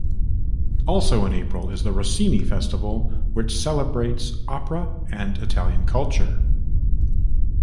Also in April is the Rossini Festival, which celebrates opera and Italian culture.